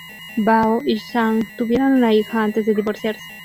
Bao y Zhang tuvieron una hija antes de divorciarse.